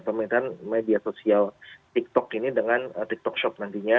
pemerintahan media sosial tiktok ini dengan tiktok shop nantinya